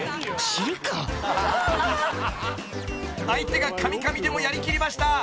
［相手がかみかみでもやりきりました］